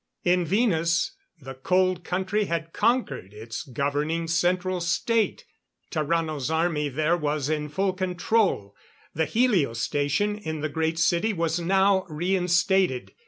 In Venus, the Cold Country had conquered its governing Central State. Tarrano's army there was in full control. The helio station in the Great City was now reinstated.